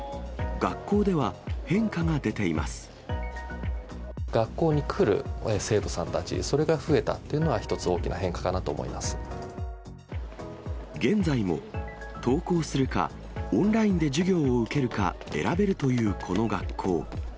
学校に来る生徒さんたち、それが増えたっていうのは、現在も、登校するか、オンラインで授業を受けるか選べるというこの学校。